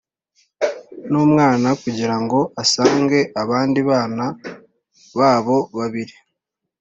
N Umwana Kugira Ngo Asange Abandi Bana Babo Babiri